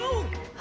あ。